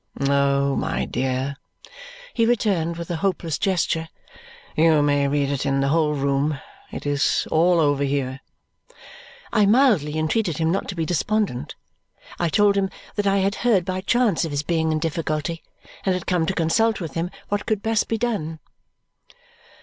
"Oh, my dear," he returned with a hopeless gesture. "You may read it in the whole room. It is all over here." I mildly entreated him not to be despondent. I told him that I had heard by chance of his being in difficulty and had come to consult with him what could best be done.